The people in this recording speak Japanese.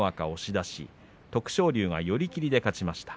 徳勝龍が寄り切りで勝ちました。